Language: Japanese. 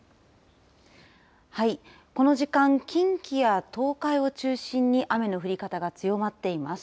はい、この時間近畿や東海を中心に雨の降り方が強まっています。